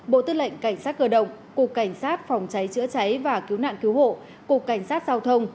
bộ tư lệnh cảnh sát cơ động cục cảnh sát phòng cháy chữa cháy và cứu nạn cứu hộ cục cảnh sát giao thông